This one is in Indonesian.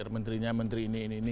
menterinya menteri ini ini ini